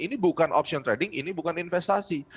ini bukan option trading ini bukan investasi